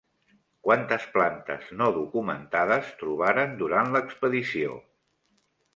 Quantes plantes no documentades trobaren durant l'expedició?